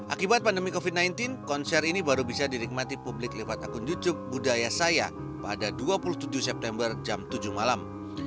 akibat pandemi covid sembilan belas konser ini baru bisa dinikmati publik lewat akun jucuk budaya saya pada dua puluh tujuh september jam tujuh malam